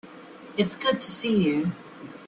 It's good to see you.